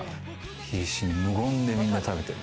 必死に無言でみんな食べてる。